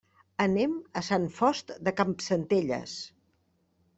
Anem a Sant Fost de Campsentelles.